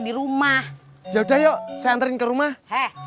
bisa muocoiko tembe ke rumah bah